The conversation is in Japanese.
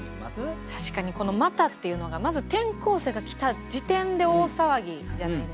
確かにこの「また」っていうのがまず転校生が来た時点で大騒ぎじゃないですか。